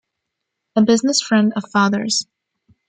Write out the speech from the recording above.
A business friend of father's.